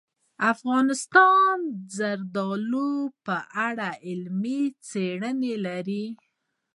افغانستان د زردالو په اړه علمي څېړنې لري.